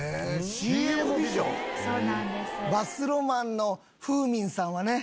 バスロマンのフーミンさんはね。